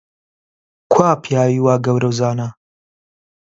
کوا پیاوی وا گەورە و زانا؟